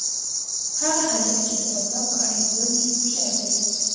هغه هلک چې د فضا په اړه لولي هوښیار دی.